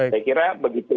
saya kira begitu